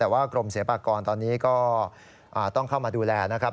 แต่ว่ากรมศิลปากรตอนนี้ก็ต้องเข้ามาดูแลนะครับ